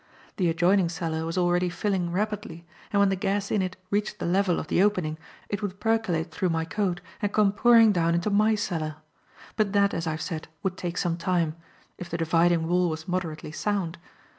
The adjoining cellar was already filling rapidly, and when the gas in it reached the level of the opening, it would percolate through my coat and come pouring down into my cellar. But that, as I have said, would take some time if the dividing wall was moderately sound.